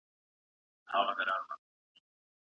د ژوند حق د الله تعالی یو نه بدلېدونکی قانون دی.